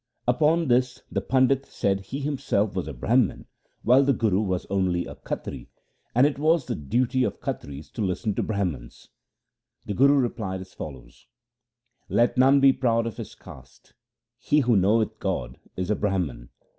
Upon this the pandit said he himself was a Brahman while the Guru was only a Khatri, and it was the duty of Khatris to listen to Brahmans. The Guru replied as follows :■— Let none be proud of his caste. He who knoweth God is a Brahman.